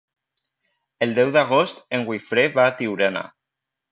El deu d'agost en Guifré va a Tiurana.